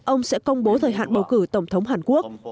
ông sẽ công bố thời hạn bầu cử tổng thống hàn quốc